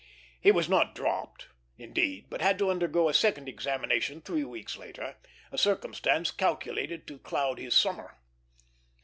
He was not dropped, indeed, but had to undergo a second examination three weeks later: a circumstance calculated to cloud his summer.